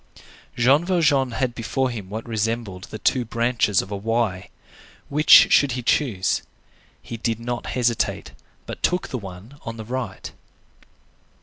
Jean Valjean had before him what resembled the two branches of a Y. Which should he choose? He did not hesitate, but took the one on the right.